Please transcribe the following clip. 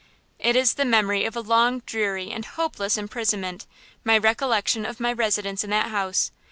"It is the memory of a long, dreary and hopeless imprisonment, my recollection of my residence in that house!